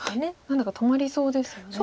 何だか止まりそうですよね。